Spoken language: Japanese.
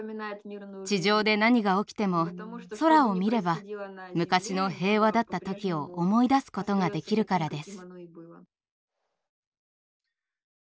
地上で何が起きても空を見れば昔の平和だった時を思い出すことができるからです。